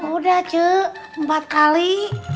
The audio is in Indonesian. udah cuu empat kali